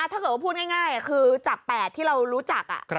ถ้าเกิดว่าพูดง่ายคือจาก๘ที่เรารู้จัก